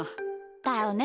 だよね。